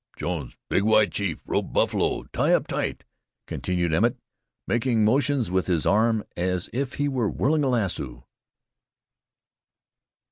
"Jones big white chief rope buffalo tie up tight," continued Emmett, making motions with his arm, as if he were whirling a lasso.